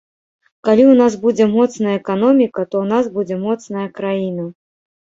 Калі ў нас будзе моцная эканоміка, то ў нас будзе моцная краіна.